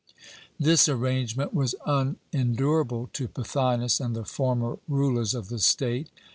"This arrangement was unendurable to Pothinus and the former rulers of the state.